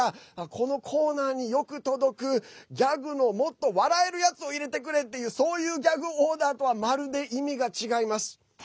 このコーナーに、よく届くギャグのもっと笑えるやつを入れてくれっていう、そういうギャグオーダーとはまるで意味が違います。